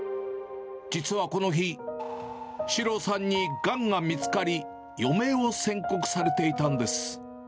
実はこの日、四朗さんにがんが見つかり、余命を宣告されていたんです。